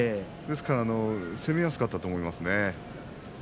だから攻めやすかったと思いますね。